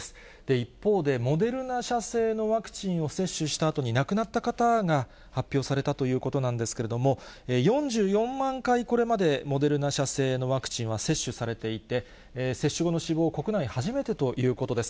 一方で、モデルナ社製のワクチンを接種したあとに亡くなった方が発表されたということなんですけれども、４４万回、これまでモデルナ社製のワクチンは接種されていて、接種後の死亡、国内初めてということです。